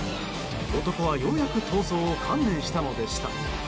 男はようやく逃走を観念したのでした。